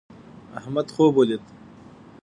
احمد خوب ولید